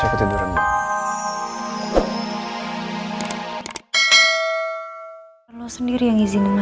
yang jagain trennya siapa